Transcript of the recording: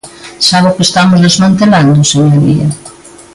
¿Sabe o que estamos desmantelando, señoría?